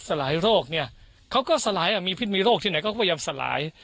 ลายโรคเนี่ยเขาก็สลายมีพิษมีโรคที่ไหนเขาก็พยายามสลาย